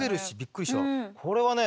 これはね